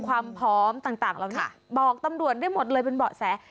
ความพร้อมต่างเหล่านี้บอกตำรวจได้หมดเลยเป็นเบาะแส